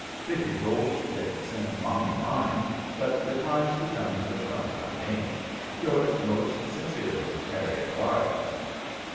Spiffy Goldtip sent mamma mine, but declines to come to the front about Amy. Yours most sincerely, HARRIET WYLDE."